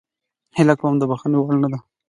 هیله کوم د بخښنې وړ نه ده.